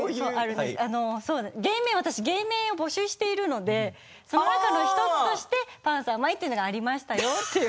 私、芸名を募集しているのでその中の１つとしてパンサー舞というのがありましたよって。